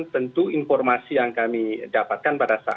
tentu informasi yang kami dapatkan pada saat